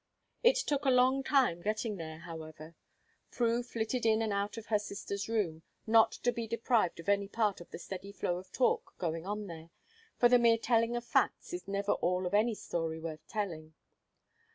It took a long time getting there, however; Prue flitted in and out of her sisters' room, not to be deprived of any part of the steady flow of talk going on there, for the mere telling of facts is never all of any story worth telling.